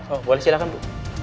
oh boleh silakan bu